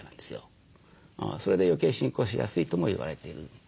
それで余計進行しやすいとも言われている。